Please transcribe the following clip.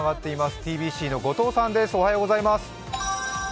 ｔｂｃの後藤さんです。